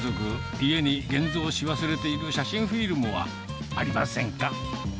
家に現像し忘れている写真フィルムはありませんか？